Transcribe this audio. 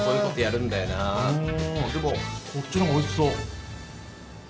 でもこっちの方がおいしそう。